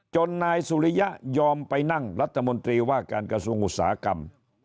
นายสุริยะยอมไปนั่งรัฐมนตรีว่าการกระทรวงอุตสาหกรรม